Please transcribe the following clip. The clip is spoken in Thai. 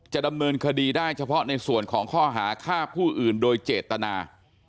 ดำเนินคดีได้เฉพาะในส่วนของข้อหาฆ่าผู้อื่นโดยเจตนา